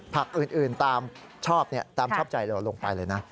ผักอื่นตามชอบใจเราลงไปเลยนะ